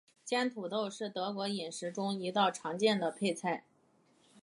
煎土豆是德国饮食中一道常见的配菜。